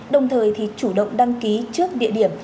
đồng thời thì chủ động đăng ký trước địa điểm